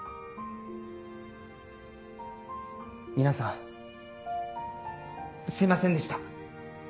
皆さんすいませんでした。